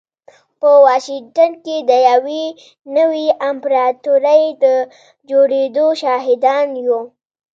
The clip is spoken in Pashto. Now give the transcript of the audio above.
په واشنګټن کې د يوې نوې امپراتورۍ د جوړېدو شاهدان يو.